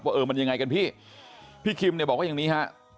เออมันยังไงกันพี่พี่คิมเนี่ยบอกว่าอย่างนี้ฮะ